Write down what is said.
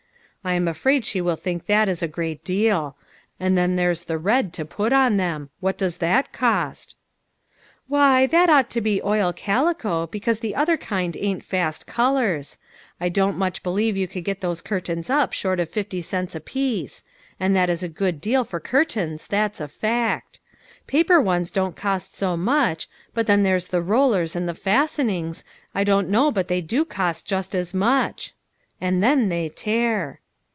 " I am afraid she will think that is a great deal. And then there's the red to put on them. What does that cost ?"" Why, that ought to be oil calico, because the other kind ain't fast colors. I don't much be lieve you could get those curtains up short of fifty cents apiece ; and that is a good deal for curtains, that's a fact. Paper ones don't cost so much, but then there's the rollers and the fasten ings, I don't know but they do cost just as much. And then they tear."